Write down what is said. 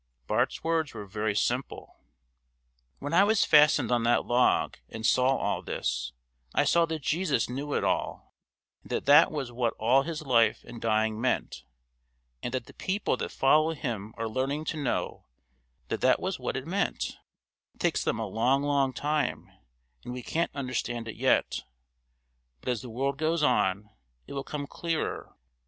Bart's words were very simple. "When I was fastened on that log and saw all this, I saw that Jesus knew it all, and that that was what all His life and dying meant, and that the people that follow Him are learning to know that that was what it meant; it takes them a long, long time, and we can't understand it yet, but as the world goes on it will come clearer.